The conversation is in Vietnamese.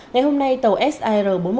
ngày hôm nay tàu sir bốn trăm một mươi ba